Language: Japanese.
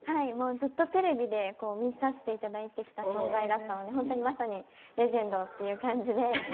ずっとテレビで見させていただいた存在だったので本当にまさにレジェンドという感じで。